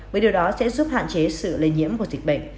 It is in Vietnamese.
với điều đó sẽ giúp hạn chế sự lây nhiễm của dịch bệnh